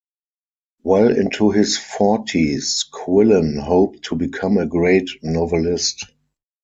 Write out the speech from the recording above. Well into his forties, Quillen hoped to become a great novelist.